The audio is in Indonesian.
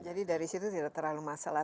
jadi dari situ tidak terlalu masalah